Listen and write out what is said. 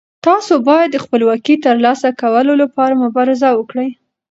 تاسو باید د خپلواکۍ د ترلاسه کولو لپاره مبارزه وکړئ.